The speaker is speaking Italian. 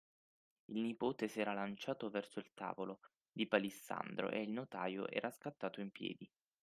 Il nipote s'era lanciato verso il tavolo di palissandro e il notaio era scattato in piedi.